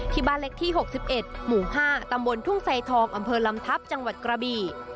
บ้านเล็กที่๖๑หมู่๕ตำบลทุ่งไซทองอำเภอลำทัพจังหวัดกระบี